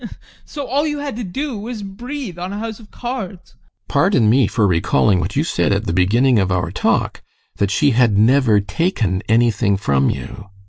So all you had to do was to breathe on a house of cards. GUSTAV. Pardon me for recalling what you said at the beginning of our talk that she had never taken anything from you.